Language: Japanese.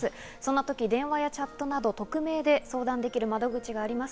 そんな時、電話やチャットなど匿名で相談できる窓口があります。